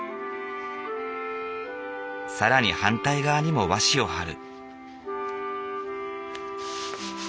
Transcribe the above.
更に反対側にも和紙をはる。